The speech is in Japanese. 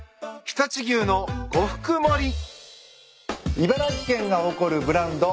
茨城県が誇るブランド。